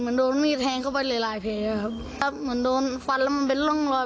เหมือนโดนมีดแทงเข้าไปหลายเพลงเลยครับเหมือนโดนฟันแล้วมันเป็นร่องรอย